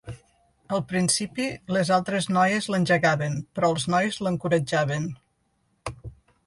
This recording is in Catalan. Al principi, les altres noies l'engegaven però els nois l'encoratjaven.